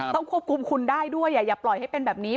ต้องควบคุมคุณได้ด้วยอย่าปล่อยให้เป็นแบบนี้